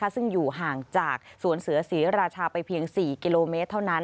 ซึ่งอยู่ห่างจากสวนเสือศรีราชาไปเพียง๔กิโลเมตรเท่านั้น